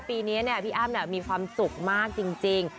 ปีนี้พี่อ้ำมีความสุขมากจริง